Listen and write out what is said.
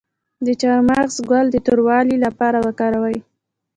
د چارمغز ګل د توروالي لپاره وکاروئ